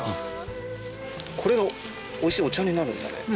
これが美味しいお茶になるんだね。